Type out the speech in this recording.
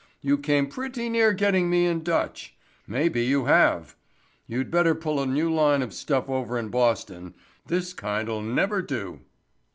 You came pretty near getting me in Dutch. Maybe you have. You'd better pull a new line of stuff over in Boston. This kind'll never do."